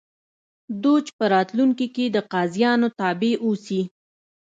دوج په راتلونکي کې د قاضیانو تابع اوسي.